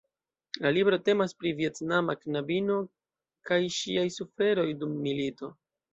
La libro temas pri vjetnama knabino kaj ŝiaj suferoj dum milito.